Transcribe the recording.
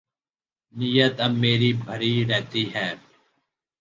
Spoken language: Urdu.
نیت اب میری بھری رہتی ہے